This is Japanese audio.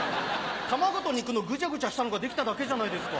卵と肉のグジャグジャしたのができただけじゃないですか。